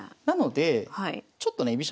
なのでちょっとね